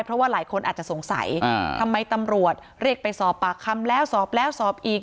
เพราะว่าหลายคนอาจจะสงสัยทำไมตำรวจเรียกไปสอบปากคำแล้วสอบแล้วสอบอีก